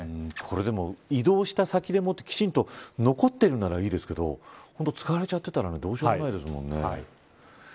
でも、移動した先できちんと残っていたらいいですけど使われちゃったらどうしようもないですもんね。